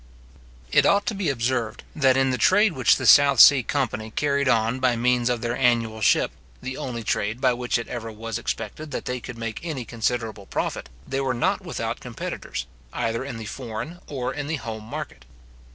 It ought to be observed, that in the trade which the South Sea company carried on by means of their annual ship, the only trade by which it ever was expected that they could make any considerable profit, they were not without competitors, either in the foreign or in the home market.